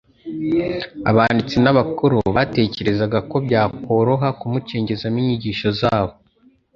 abanditsi n'abakuru batekerezaga ko byakworoha kumucengezamo inyigisho zabo.